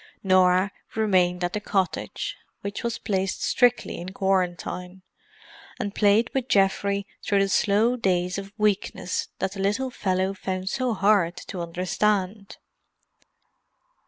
Norah remained at the cottage, which was placed strictly in quarantine, and played with Geoffrey through the slow days of weakness that the little fellow found so hard to understand.